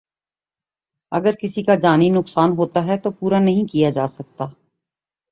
اگر کسی کا جانی نقصان ہوتا ہے تو پورا نہیں کی جا سکتی